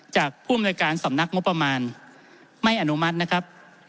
ผู้อำนวยการสำนักงบประมาณไม่อนุมัตินะครับ